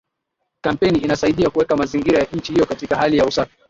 Kampeni inasaidia kuweka mazingira ya nchi hiyo katika hali ya usafi